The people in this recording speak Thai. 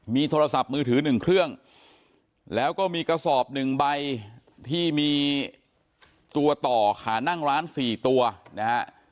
มีโทรศัพท์มือถือ๑เครื่องแล้วก็มีกระสอบหนึ่งใบที่มีตัวต่อขานั่งร้าน๔ตัวนะฮะ